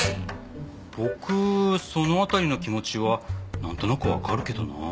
僕その辺りの気持ちはなんとなくわかるけどなあ。